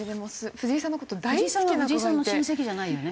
藤井さんは藤井さんの親戚じゃないよね？